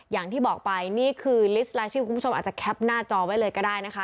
อย่างที่บอกไปนี่คือลิสต์รายชื่อคุณผู้ชมอาจจะแคปหน้าจอไว้เลยก็ได้นะคะ